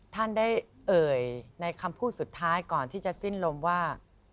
ท่านได้เอ่ยในคำพูดสุดท้ายก่อนที่จะสิ้นลมว่า